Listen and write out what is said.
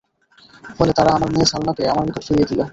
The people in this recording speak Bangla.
ফলে তারা আমার মেয়ে সালামাকে আমার নিকট ফিরিয়ে দিল।